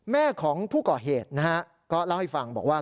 แม่ของผู้ก่อเหตุนะฮะก็เล่าให้ฟังบอกว่า